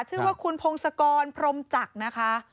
ชื่อว่าคุณพงศกรพรมจักรนะคะ